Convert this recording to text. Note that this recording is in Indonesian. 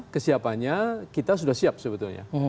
kesiapannya kita sudah siap sebetulnya